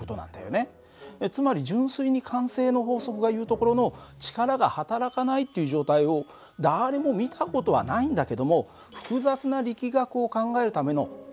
つまり純粋に慣性の法則がいうところの力がはたらかないっていう状態を誰も見た事はないんだけども複雑な力学を考えるためのベースになる法則なんだよ。